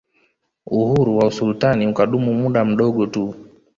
Uhuru wa usultani ukadumu muda mdogo tu